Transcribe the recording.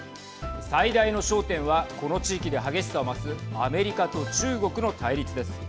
最大の焦点はこの地域で激しさを増すアメリカと中国の対立です。